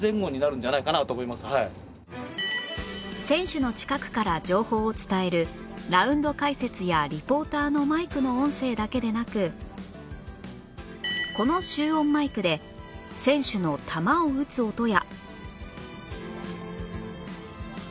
選手の近くから情報を伝えるラウンド解説やリポーターのマイクの音声だけでなくこの集音マイクで選手の球を打つ音や